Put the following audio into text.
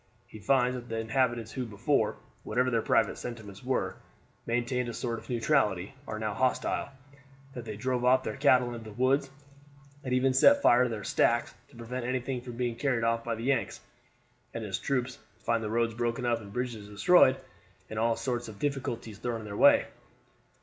He finds that the inhabitants who before, whatever their private sentiments were, maintained a sort of neutrality, are now hostile, that they drive off their cattle into the woods, and even set fire to their stacks, to prevent anything from being carried off by the Yanks; and his troops find the roads broken up and bridges destroyed and all sorts of difficulties thrown in their way."